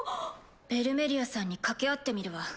ベルメリアさんに掛け合ってみるわ。